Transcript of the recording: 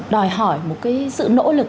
đòi hỏi một cái sự nỗ lực